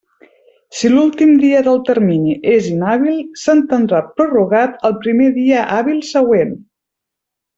Si l'últim dia del termini és inhàbil, s'entendrà prorrogat al primer dia hàbil següent.